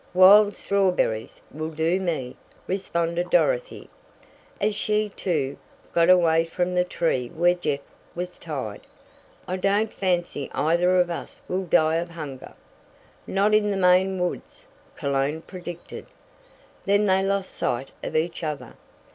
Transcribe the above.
"Wild strawberries will do me," responded Dorothy, as she, too, got away from the tree where Jeff was tied. "I don't fancy either of us will die of hunger!" "Not in the Maine woods!" Cologne predicted. Then they lost sight of each other.